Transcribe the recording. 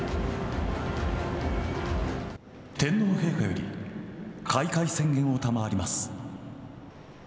天皇陛下より開会宣言を賜ります。